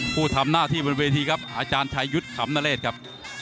ผู้ทำหน้าที่บนเวทีครับอาจารย์ชัยยุทธ์ขำนเรศครับ